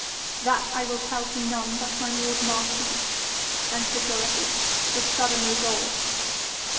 'That I will tell to none but my lord marquis,' answered Dorothy, with sudden resolve.